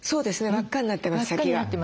輪っかになってます先が。